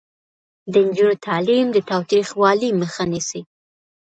د نجونو تعلیم د تاوتریخوالي مخه نیسي.